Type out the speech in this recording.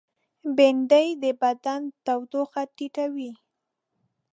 بېنډۍ د بدن تودوخه ټیټوي